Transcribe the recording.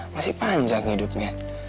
masih panjang hidupnya